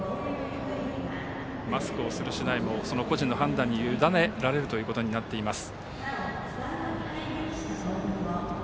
マスクをするしないも個人の判断にゆだねられることになっています。